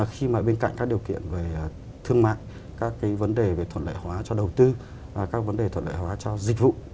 khi mà bên cạnh các điều kiện về thương mại các cái vấn đề về thuận lợi hóa cho đầu tư các vấn đề thuận lợi hóa cho dịch vụ